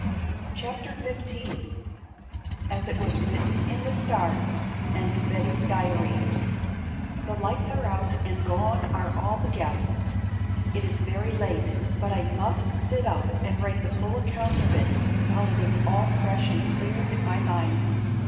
CHAPTER XV "AS IT WAS WRITTEN IN THE STARS" AND BETTY'S DIARY "THE lights are out and gone are all the guests." It is very late, but I must sit up and write the full account of it while it is all fresh and clear in my mind.